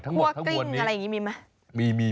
หัวกริ้งมีมั้ย